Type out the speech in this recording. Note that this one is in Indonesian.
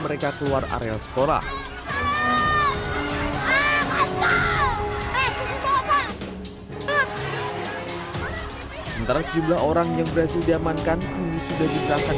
mereka keluar areal sekolah sementara sejumlah orang yang berhasil diamankan kini sudah diserahkan